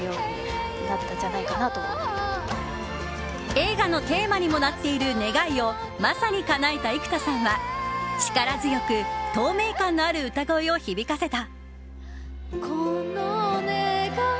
映画のテーマにもなっている願いをまさに、かなえた生田さんは力強く、透明感のある歌声を響かせた。